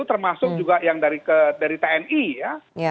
termasuk juga yang dari tni ya